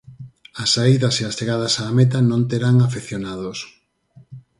As saídas e as chegadas á meta non terán afeccionados.